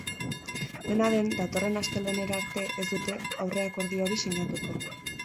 Dena den, datorren astelehenera arte ez dute aurreakordio hori sinatuko.